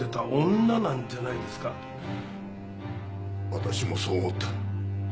私もそう思った。